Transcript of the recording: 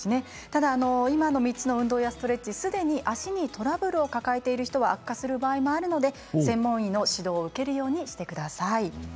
ただ今の３つの運動やストレッチすでに足にトラブルを抱えている人は悪化する場合があるので専門医の指導を受けるようにしてください。